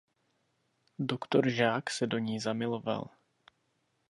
Doktor Žák se do ní zamiloval.